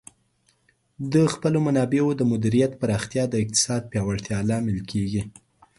د خپلو منابعو د مدیریت پراختیا د اقتصاد پیاوړتیا لامل کیږي.